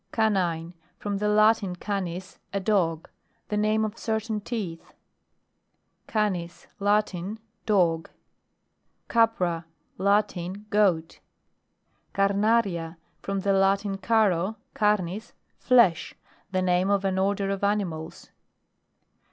CANINE. From the Latin, canis, a dog. The name of certain teeth. CANIS. Latin. Dog. CAPRA. La? in. Goat. CARNARIA. From the Latin, caro, carnis, flesh. The name of an order of animals.